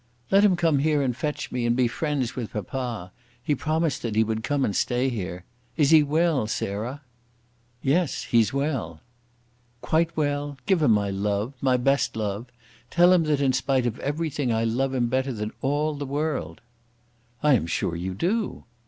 "Let him come here and fetch me, and be friends with papa. He promised that he would come and stay here. Is he well, Sarah?" "Yes; he is well." "Quite well? Give him my love, my best love. Tell him that in spite of everything I love him better than all the world." "I am sure you do."